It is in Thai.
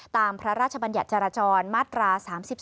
ตามพระราชบัญญาจราจรมาตรา๓๒